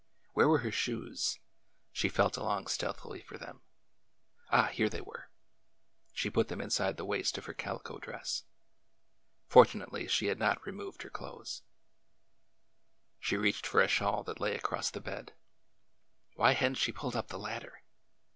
Where were her shoes ? She felt along stealthily for them. Ah ! here they were. She put them inside the waist of her calico dress. Fortunately, she had not removed her clothes. She reached for a shawl that lay across the bed. Why had n't she pulled up the ladder